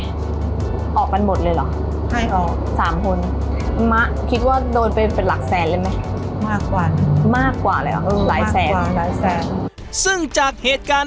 ออกมันหมดเลยเหรอ